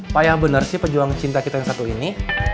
pak yang benar sih pejuang cinta kita yang satu ini